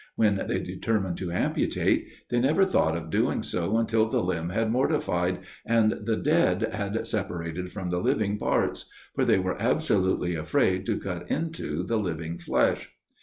When they determined to amputate, they never thought of doing so until the limb had mortified, and the dead had separated from the living parts; for they were absolutely afraid to cut into the living flesh.